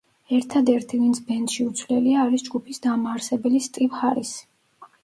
ერთადერთი, ვინც ბენდში უცვლელია, არის ჯგუფის დამაარსებელი სტივ ჰარისი.